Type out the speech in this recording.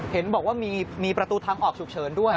เห็นบอกว่ามีประตูทางออกฉุกเฉินด้วย